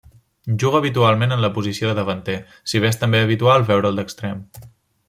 Juga habitualment en la posició de davanter, si bé també és habitual veure'l d'extrem.